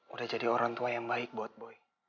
udah jadi orang tua yang baik buat boy